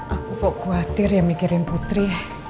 aku kok khawatir ya mikirin putri